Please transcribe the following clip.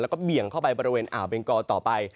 แล้วก็เบี่ยงเข้าไปบริเวณอ่าวเบงกอต่อไป